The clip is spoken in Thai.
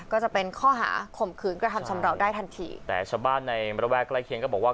ก็จะเป็นข้อหาข่มขืนกระทำชำราวได้ทันทีแต่ชาวบ้านในระแวกใกล้เคียงก็บอกว่า